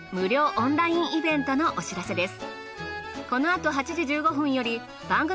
オンラインイベントのお知らせです。